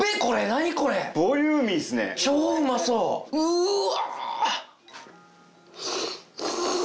うわ！